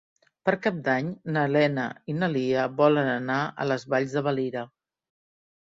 Per Cap d'Any na Lena i na Lia volen anar a les Valls de Valira.